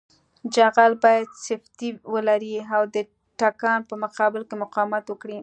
جغل باید سفتي ولري او د تکان په مقابل کې مقاومت وکړي